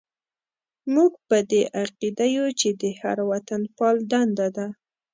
موږ په دې عقیده یو چې د هر وطنپال دنده ده.